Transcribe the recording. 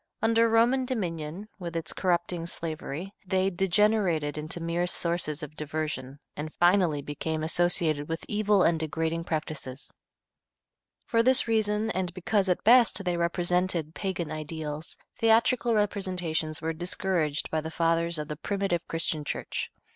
Under Roman dominion, with its corrupting slavery, they degenerated into mere sources of diversion, and finally became associated with evil and degrading practices. For this reason and because at best they represented pagan ideals, theatrical representations were discouraged by the fathers of the primitive Christian Church.